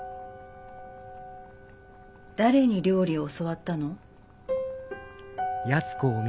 誰に料理を教わったの？